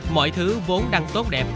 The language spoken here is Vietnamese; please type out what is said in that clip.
mọi thứ vốn đang tốt đẹp